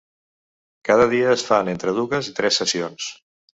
Cada dia es fan entre dues i tres sessions.